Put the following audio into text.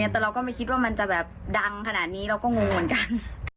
แต่เราก็ไม่คิดว่ามันจะแบบดังขนาดนี้เราก็งงเหมือนกัน